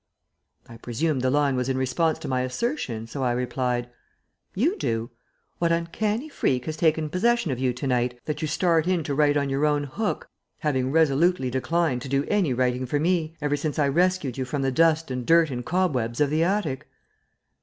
I presumed the line was in response to my assertion, so I replied: "You do. What uncanny freak has taken possession of you to night that you start in to write on your own hook, having resolutely declined to do any writing for me ever since I rescued you from the dust and dirt and cobwebs of the attic?"